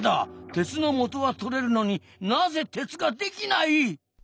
鉄のもとは取れるのになぜ鉄が出来ない。